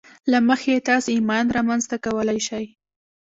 له مخې یې تاسې ایمان رامنځته کولای شئ